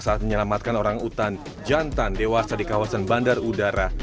saat menyelamatkan orang utan jantan dewasa di kawasan bandar udara